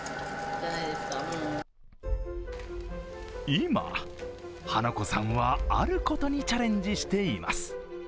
今、華子さんはあることにチャレンジしています。